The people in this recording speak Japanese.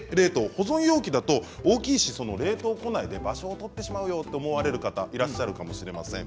保存容器だと大きいし冷凍庫内で場所をとるよと思う方もいらっしゃるかもしれません。